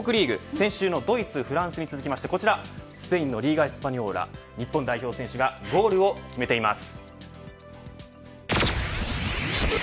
先週のドイツ、フランスに続いてスペインのリーガエスパニョーラ日本代表選手がゴールを決めています。